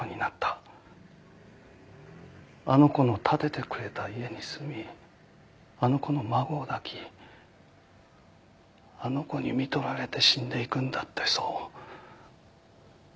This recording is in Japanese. あの子の建ててくれた家に住みあの子の孫を抱きあの子にみとられて死んでいくんだってそう。